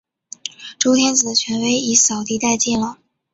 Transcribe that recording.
周天子的权威已扫地殆尽了。